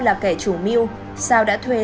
là kẻ chủ mưu sao đã thuê